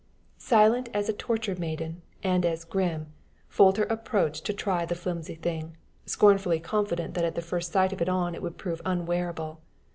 Silent as a torture maiden, and as grim, Folter approached to try the filmy thing, scornfully confident that the first sight of it on would prove it unwearable.